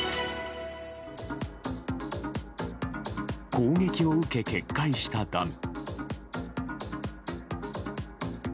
攻撃を受け決壊したダム。